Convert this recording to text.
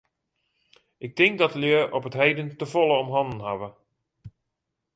Ik tink dat de lju op 't heden te folle om hannen hawwe.